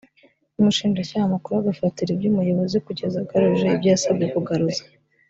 ngeze mu rugo mbibwira papa ntiyagira icyo ansubiza aricecekera asubira kuziragirira